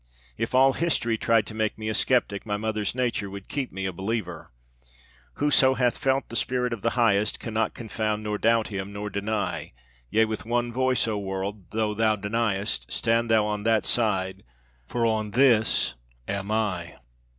If all history tried to make me a skeptic my mother's nature would keep me a believer. Whoso hath felt the spirit of the Highest Cannot confound nor doubt him nor deny; Yea with one voice, O world, tho' thou deniest, Stand thou on that side, for on this am I.